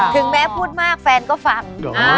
ถึงแม้พูดมากแฟนก็ฟัง